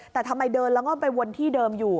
แต่ทำไมเดินแล้วก็ไปวนที่เดิมอยู่